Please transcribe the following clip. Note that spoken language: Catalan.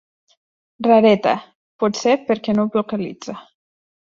Rareta, potser perquè no vocalitza.